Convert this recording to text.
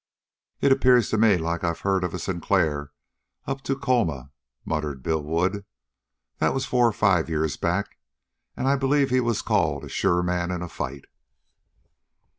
"It appears to me like I've heard of a Sinclair up to Colma," murmured Bill Wood. "That was four or five years back, and I b'lieve he was called a sure man in a fight."